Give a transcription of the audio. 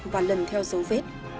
và lần theo dấu vết